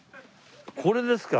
これですか。